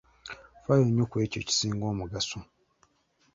Ffaayo nnyo ku ekyo ekisinga omugaso.